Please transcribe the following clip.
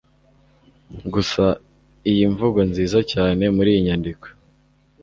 guza iyi mvugo nziza cyane muri iyi nyandiko